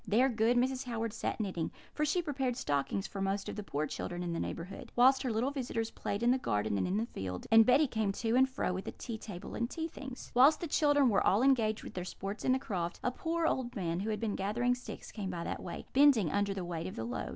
There good Mrs. Howard sat knitting (for she prepared stockings for most of the poor children in the neighbourhood), whilst her little visitors played in the garden and in the field, and Betty came to and fro with the tea table and tea things. "Whilst the children were all engaged with their sports in the croft, a poor old man, who had been gathering sticks, came by that way, bending under the weight of the load.